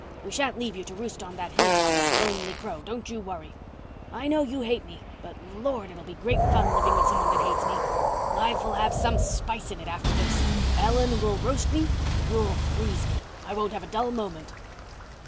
We shan't leave you to roost on that hill top like a lonely crow—don't you worry. I know you hate me, but, Lord, it'll be great fun living with some one that hates me. Life'll have some spice in it after this. Ellen will roast me and you'll freeze me. I won't have a dull moment."